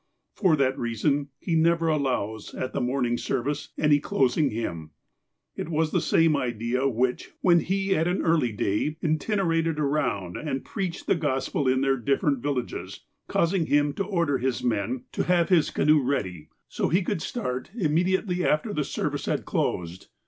For that reason, he never allows, at the morning service, any closing hymn. It was this same idea which, when he at an early day itinerated around, and preached the Gospel in their differ ent villages, caused him to order his men to have his 362 THE APOSTLE OF ALASKA canoe ready, so that he could start immediately after the service had closed.